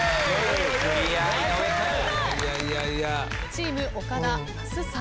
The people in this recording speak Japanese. チーム岡田那須さん。